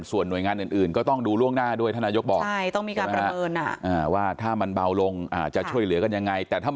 ส่วนหน่วยงานอื่นก็ต้องดูล่วงหน้าด้วยท่าน